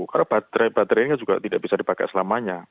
karena baterai baterai ini juga tidak bisa dipakai selamanya